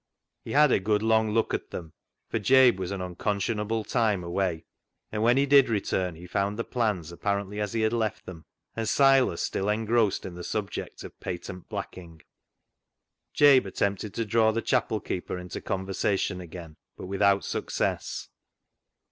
He had a good long look at them, for Jabe was an unconscionable time away, and when he did return he found the plans apparently as he had left them, and Silas still engrossed in the subject of patent blacking. Jabe attempted to draw the chapel keeper into conversation again, but without success.